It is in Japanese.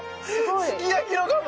すき焼きのガム？